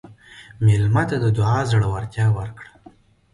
مېلمه ته د دعا زړورتیا ورکړه.